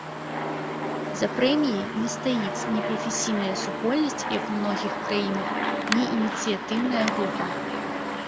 За прэміяй не стаіць ні прафесійная супольнасць, як у многіх краінах, ні ініцыятыўная група.